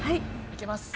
いけます！